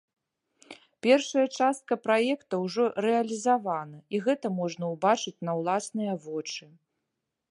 Першая частка праекта ўжо рэалізавана, і гэта можна ўбачыць на ўласныя вочы.